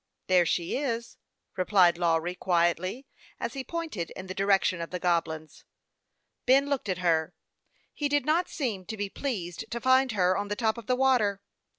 " There she is," replied Lawry, quietly, as he pointed in the direction of the Goblins. Ben looked at her ; he did not seem to be pleased to find her on the top of the water.